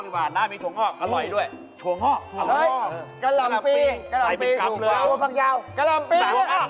๓อย่างนี้